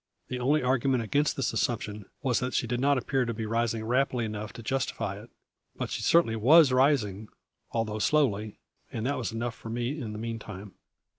The only argument against this assumption was that she did not appear to be rising rapidly enough to justify it; but she certainly was rising, although slowly, and that was enough for me in the meantime.